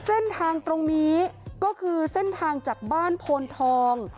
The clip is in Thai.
เส้นทางตรงนี้ก็คือเส้นทางจากบ้านโพนทอง